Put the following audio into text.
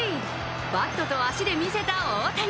バットと足で見せた大谷。